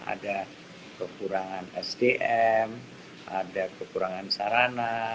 ada kekurangan sdm ada kekurangan sarana